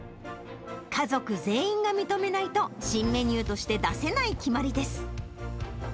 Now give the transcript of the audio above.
家族全員が認めないと、新メニューとして出せない決まりです。